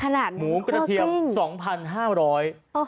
๘๕๐บาทหมูกระเทียม๒๕๐๐บาทมันจะอะไรขนาดนั้น